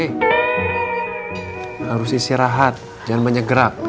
harus istirahat jangan banyak gerak